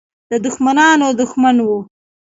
د دښمنانو دښمن وو.